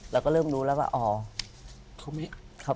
เราก็เริ่มรู้แล้วว่าอ๋อ